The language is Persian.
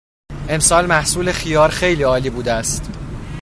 امسال محصول خیار خیلی عالی بوده است.